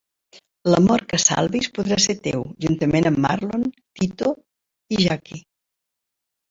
L'amor que salvis podrà ser teu, juntament amb Marlon, Tito i Jackie.